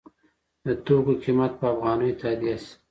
د توکو قیمت په افغانیو تادیه شي.